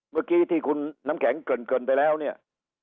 เมื่อกี้ที่คุณน้ำแข็งเกินไปแล้วเนี่ย